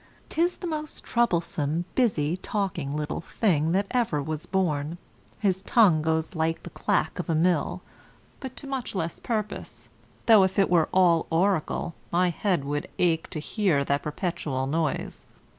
'Tis the most troublesome, busy talking little thing that ever was born; his tongue goes like the clack of a mill, but to much less purpose, though if it were all oracle, my head would ache to hear that perpetual noise.